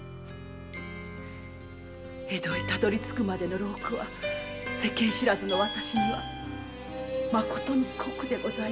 江戸にたどり着くまでの労苦は世間知らずの私には誠に酷でございました。